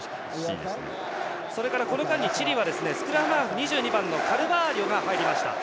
それから、この間にスクラムハーフの２２番のカルバーリョが入りました。